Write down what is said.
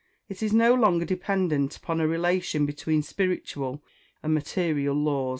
It is no longer dependent upon a relation between spiritual and material laws.